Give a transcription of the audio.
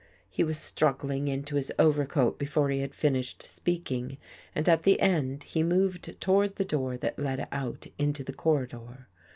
He was struggling into his overcoat before he had finished speaking, and at the end he moved toward the door that led out into the corridor.